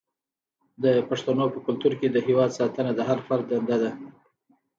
د پښتنو په کلتور کې د هیواد ساتنه د هر فرد دنده ده.